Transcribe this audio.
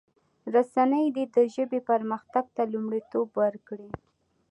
رسنی دي د ژبې پرمختګ ته لومړیتوب ورکړي.